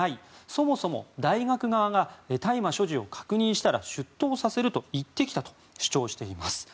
そもそも大学側が大麻所持を確認したら出頭させると言ってきたと主張しています。